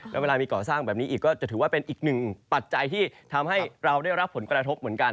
แล้วเวลามีก่อสร้างแบบนี้อีกก็จะถือว่าเป็นอีกหนึ่งปัจจัยที่ทำให้เราได้รับผลกระทบเหมือนกัน